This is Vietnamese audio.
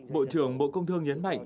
bộ trưởng bộ công thương nhấn mạnh